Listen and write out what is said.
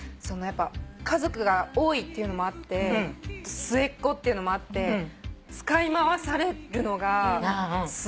やっぱ家族が多いっていうのもあって末っ子っていうのもあって使い回されるのがすごい嫌で。